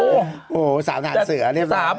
โอ้โหสาวงานเสือเรียบร้อย